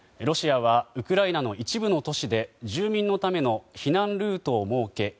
ロシアはウクライナの一部の都市で住民のための避難ルートを設け